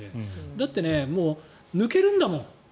だって、抜けるんだもん。